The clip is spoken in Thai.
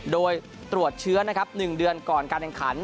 โดยตรวจเชื้อนะครับ๑เดือนก่อนการแข่งขัน